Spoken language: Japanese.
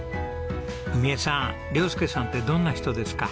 史枝さん亮佑さんってどんな人ですか？